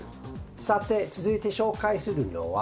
さて続いて紹介するのは。